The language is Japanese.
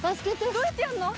どうやってやんの？